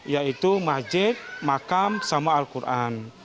yaitu masjid makam sama al quran